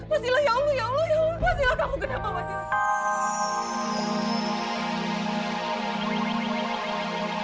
wasila ya allah ya allah ya allah